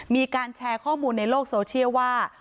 มีการแชร์ข้อมูลในโลกโซเชียลว่า